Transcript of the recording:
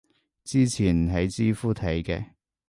之前喺知乎睇嘅